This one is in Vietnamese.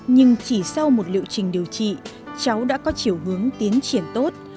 nhưng chỉ sau một liệu trình điều trị cháu đã có chiều hướng tiến triển tốt